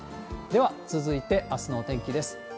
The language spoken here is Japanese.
では、続いてあすのお天気です。